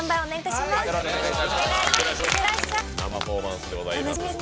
生パフォーマンスでございます。